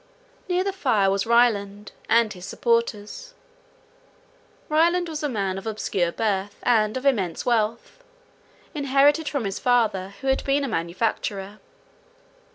Near the fire was Ryland and his supporters. Ryland was a man of obscure birth and of immense wealth, inherited from his father, who had been a manufacturer.